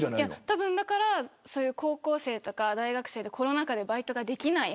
多分、高校生とか大学生でコロナ禍でバイトができない。